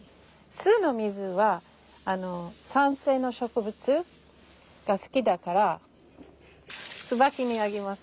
酢の水は酸性の植物が好きだからツバキにあげます。